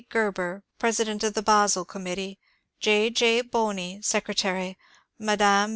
Ger ber, president of the Basle Committee; J. J. Bohny, secretary ; Mme.